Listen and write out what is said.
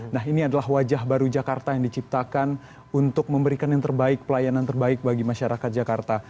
nah ini adalah wajah baru jakarta yang diciptakan untuk memberikan yang terbaik pelayanan terbaik bagi masyarakat jakarta